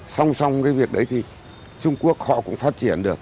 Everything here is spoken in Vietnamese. xong xong cái việc đấy thì trung quốc họ cũng phát triển được